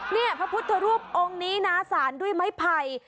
นี่พระพุทธรูปองค์นี้นะสารด้วยไม้ไผ่